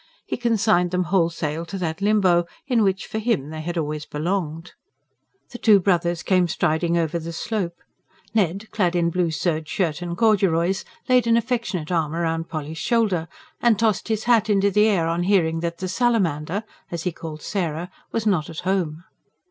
He consigned them wholesale to that limbo in which, for him, they had always belonged. The two brothers came striding over the slope. Ned, clad in blue serge shirt and corduroys, laid an affectionate arm round Polly's shoulder, and tossed his hat into the air on hearing that the "Salamander," as he called Sarah, was not at home.